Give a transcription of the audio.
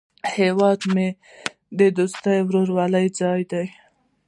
هیواد مې د دوستۍ او ورورولۍ ځای دی